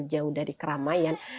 jauh dari keramaian